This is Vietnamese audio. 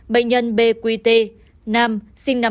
hai bệnh nhân b q t nam sinh năm hai nghìn là con trai của bệnh nhân m t o